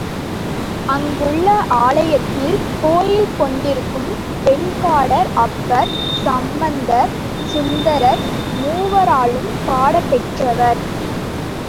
அங்குள்ள ஆலயத்தில் கோயில் கொண்டிருக்கும் வெண்காடர் அப்பர், சம்பந்தர், சுந்தரர் மூவராலும் பாடப்பெற்றவர்.